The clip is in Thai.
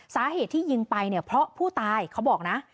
สาเหตุที่ยิงไปเนี่ยเพราะผู้ตายเขาบอกนะ